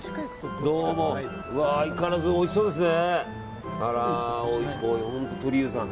相変わらずおいしそうですね。